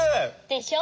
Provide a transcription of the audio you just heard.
でしょ。